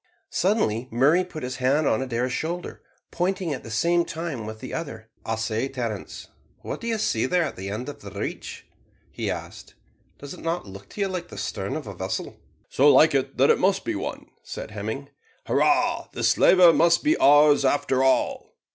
Suddenly Murray put his hand on Adair's shoulder, pointing at the same time with the other ahead. "I say, Terence, what do you see away there at the end of the reach?" he asked. "Does it not look to you like the stern of a vessel?" "So like it that it must be one," said Hemming. "Hurrah! the slaver must be ours after all."